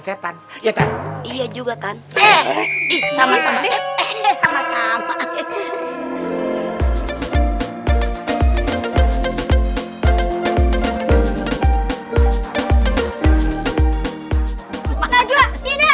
setan iya juga kan sama sama eh sama sama